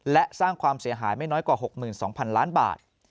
และสร้างความเสียหายไม่น้อยกว่า๖๒๐๐๐ล้านบาท